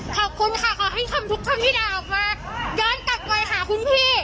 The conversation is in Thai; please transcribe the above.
ขอบคุณค่ะขอให้คำทุกคำที่ด่าออกมาย้อนกลับไปหาคุณพี่